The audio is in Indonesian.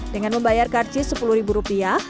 dengan membayar karcis sepuluh ribu rupiah